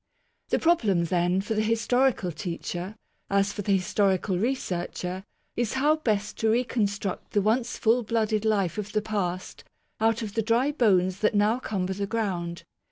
The problem then, for the historical teacher, as for the historical researcher, is how best to reconstruct the once full blooded life of the past out of the dry bones that now cumber the ground.